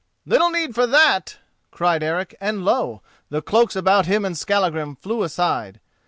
"Little need for that," cried Eric, and lo! the cloaks about him and Skallagrim flew aside.